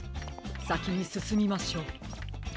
さきにすすみましょう。